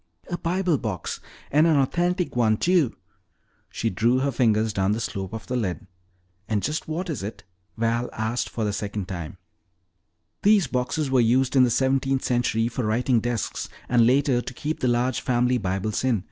"A Bible box! And an authentic one, too!" She drew her fingers down the slope of the lid. "And just what is it?" Val asked for the second time. "These boxes were used in the seventeenth century for writing desks and later to keep the large family Bibles in.